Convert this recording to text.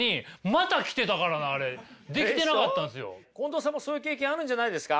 近藤さんもそういう経験あるんじゃないですか？